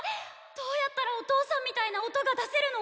どうやったらお父さんみたいな音が出せるの⁉